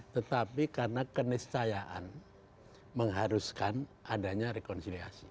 tetapi karena keniscayaan mengharuskan adanya rekonsiliasi